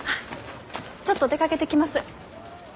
ちょっと出かけてきます。